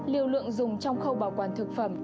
liều lượng dùng trong khâu bảo quản thực phẩm